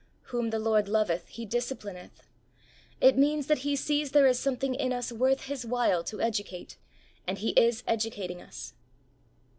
"Whom the Lord loveth He disciplineth." It means that He sees there, is something in us worth His while to educate, and He is educating us.